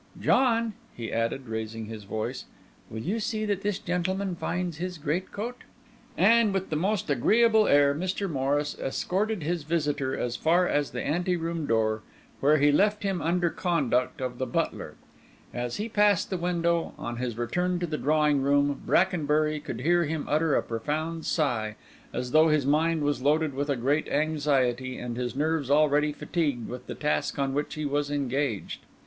John," he added, raising his voice, "will you see that this gentleman finds his great coat?" And with the most agreeable air Mr. Morris escorted his visitor as far as the ante room door, where he left him under conduct of the butler. As he passed the window, on his return to the drawing room, Brackenbury could hear him utter a profound sigh, as though his mind was loaded with a great anxiety, and his nerves already fatigued with the task on which he was engaged.